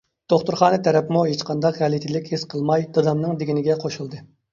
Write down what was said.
دوختۇرخانا تەرەپمۇ ھېچقانداق غەلىتىلىك ھېس قىلماي دادامنىڭ دېگىنىگە قوشۇلدى.